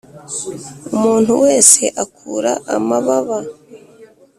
umuntu wese akura amababa.